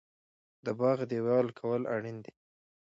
د باغ دیوال کول اړین دي؟